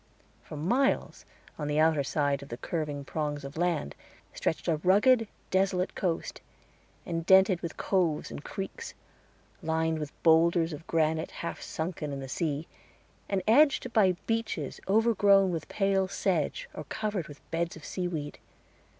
For miles on the outer side of the curving prongs of land stretched a rugged, desolate coast, indented with coves and creeks, lined with bowlders of granite half sunken in the sea, and edged by beaches overgrown with pale sedge, or covered with beds of seaweed.